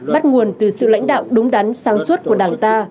bắt nguồn từ sự lãnh đạo đúng đắn sáng suốt của đảng ta